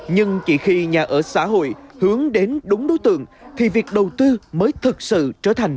nhưng chỉ khi nhà ở xã hội hướng đến đúng đối tượng thì việc đầu tư mới thực sự trở thành